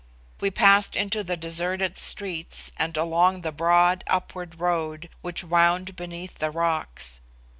We passed into the deserted streets and along the broad upward road which wound beneath the rocks.